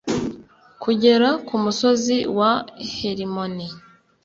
kugera ku musozi wa herimoni